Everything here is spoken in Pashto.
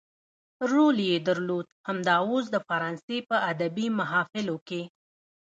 رول يې درلود همدا اوس د فرانسې په ادبي محافلو کې.